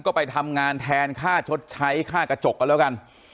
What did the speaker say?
ก็ไปทำงานแทนค่าชดใช้ค่ากระจกกันแล้วกัน